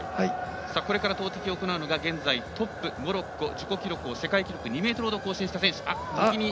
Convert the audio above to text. これから投てきするのが現在トップ、モロッコ自己記録を世界記録２ｍほど更新した選手。